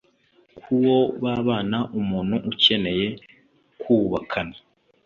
k'uwo babana.umuntu ukeneye kubakana